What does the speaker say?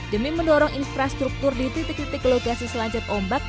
demi mendorong infrastruktur di titik titik lokasi selanjat ombak